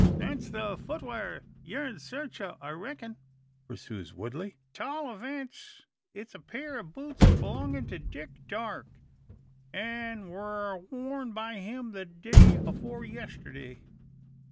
"That's the fut wear ye're in sarch o', I reck'n," pursues Woodley. "'T all eevents it's a pair o' boots belongin' to Dick Darke, an' war worn by him the day afore yesterday.